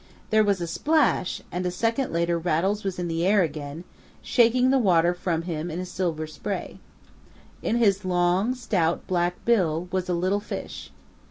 There was a splash, and a second later Rattles was in the air again, shaking the water from him in a silver spray. In his long, stout, black bill was a little fish.